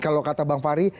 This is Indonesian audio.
kalau kata bang fary